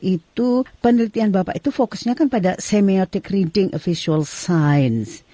itu penelitian bapak itu fokusnya kan pada semiotic reading of visual signs